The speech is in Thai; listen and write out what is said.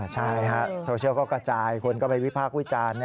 ใช่ฮะโซเชียลก็กระจายคนก็ไปวิพากษ์วิจารณ์